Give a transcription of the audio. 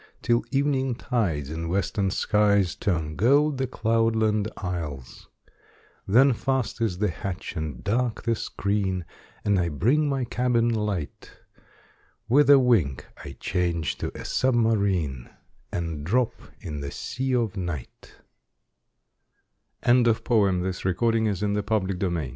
Till evening tides in western skies Turn gold the cloudland isles; Then fast is the hatch and dark the screen. And I bring my cabin light; With a wink I change to a submarine And drop in the sea of Night, WAR IN THE NORTH Not from Mars and not from Tho